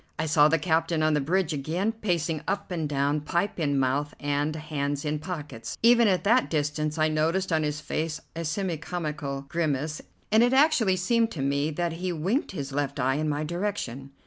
I saw the captain on the bridge again, pacing up and down, pipe in mouth and, hands in pockets. Even at that distance I noticed on his face a semi comical grimace, and it actually seemed to me that he winked his left eye in my direction.